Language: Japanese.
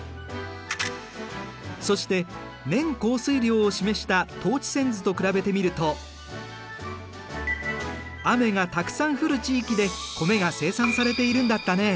そして年降水量を示した等値線図と比べてみると雨がたくさん降る地域で米が生産されているんだったね。